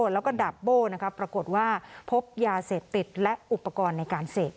แล้วก็ดาบโบ้ปรากฏว่าพบยาเสพติดและอุปกรณ์ในการเสพ